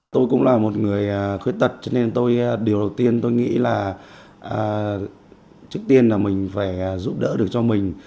tôi cũng là một người khuyết tật cho nên tôi điều đầu tiên tôi nghĩ là trước tiên là mình phải giúp đỡ được cho mình